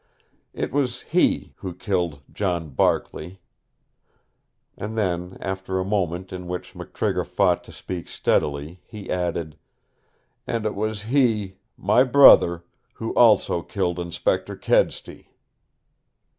It was he who killed John Barkley." And then, after a moment in which McTrigger fought to speak steadily, he added, "And it was he my brother who also killed Inspector Kedsty."